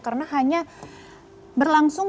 karena hanya berlangsung